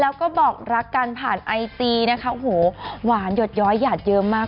แล้วก็บอกรักกันผ่านไอจีนะคะโอ้โหหวานหยดย้อยหยาดเยอะมาก